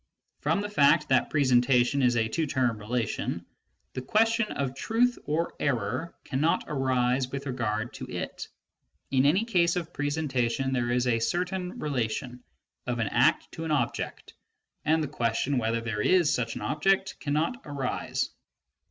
From the fact that presentation is a two term relation, the question of truth or error cannot arise with regard to it : in any case of presentation there is a certain relation of an act to an object, and the question whether there is such an object cannot arise.